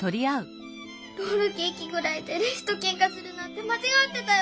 ロールケーキぐらいでレスとけんかするなんてまちがってたよ。